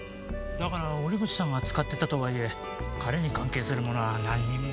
だから折口さんが使ってたとはいえ彼に関係するものは何も。